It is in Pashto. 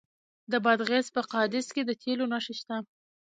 د بادغیس په قادس کې د تیلو نښې شته.